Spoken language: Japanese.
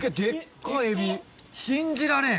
信じられん。